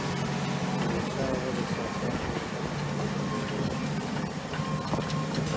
احمدشاه بابا د سیاست په میدان کې تجربه درلوده.